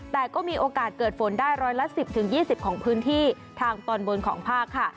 แต่ก็มีโอกาสเกิดฝนได้ร้อยละ๑๐๒๐ของพื้นที่ทางตอนบนของภาคค่ะ